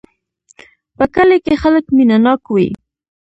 په کلي کې خلک مینه ناک وی